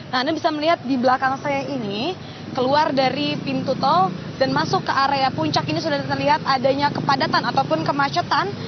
nah anda bisa melihat di belakang saya ini keluar dari pintu tol dan masuk ke area puncak ini sudah terlihat adanya kepadatan ataupun kemacetan